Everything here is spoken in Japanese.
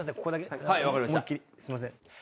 すいません。